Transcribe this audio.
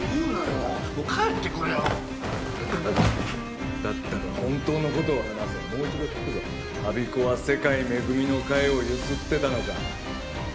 もう帰ってくれよだったら本当のことを話せもう一度聞くぞ我孫子は世界恵みの会をゆすってたのか？